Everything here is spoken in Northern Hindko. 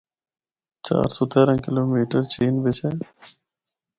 چار سو تیرہ کلومیٹر چین بچ ہے۔